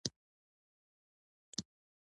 ما خادم ته لس لیرې ورکړې چې د ده حق وو.